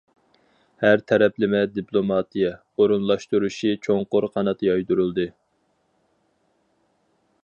ھەر تەرەپلىمە دىپلوماتىيە ئورۇنلاشتۇرۇشى چوڭقۇر قانات يايدۇرۇلدى.